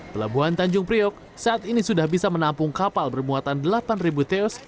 pelabuhan tanjung priok saat ini sudah bisa menampung kapal bermuatan delapan teus